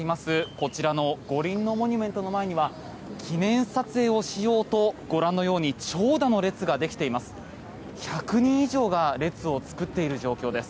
こちらの五輪のモニュメントの前には記念撮影をしようとご覧のように長蛇の列ができています。